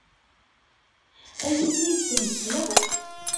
Ad iyi-t-id-theggiḍ?